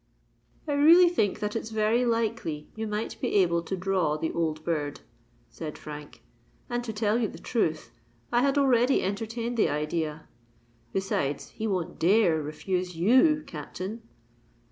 "I really think that it's very likely you might be able to draw the old bird," said Frank: "and to tell you the truth, I had already entertained the idea. Besides, he won't dare refuse you, Captain."